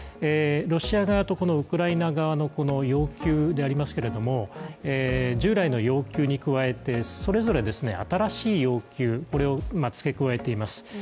ロシア側とウクライナ側の要求でありますけれども従来の要求に加えてそれぞれ新しい要求、これを付け加えています。